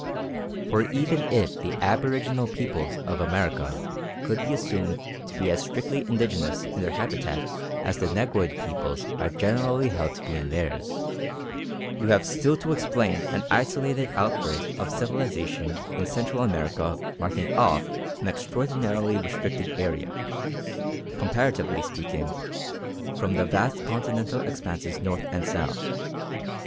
For even if the aboriginal peoples of America could be assumed to be as strictly indigenous in their habitat as the negroid peoples are generally held to be in theirs, you have still to explain an isolated outburst of civilisation in Central America marking off an extraordinarily restricted area, comparatively speaking, from the vast continental expanses north and south.